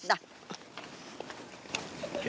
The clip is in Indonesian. ah buset dah